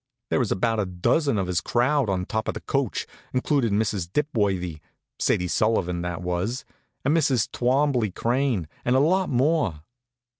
There was about a dozen of his crowd on top of the coach, includin' Mrs. Dipworthy Sadie Sullivan that was and Mrs. Twombley Crane, and a lot more.